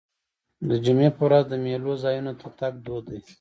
د جمعې په ورځ د میلو ځایونو ته تګ دود دی.